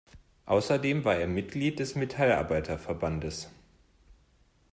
Außerdem war er Mitglied des Metallarbeiterverbandes.